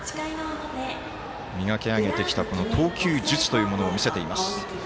磨き上げてきた投球術を見せています。